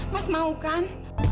mas mau kan